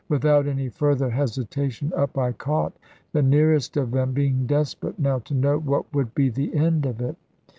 Without any further hesitation, up I caught the nearest of them, being desperate now to know what would be the end of it.